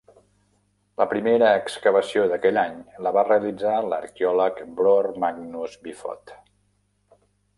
La primera excavació d'aquell any la va realitzar l'arqueòleg Bror Magnus Vifot.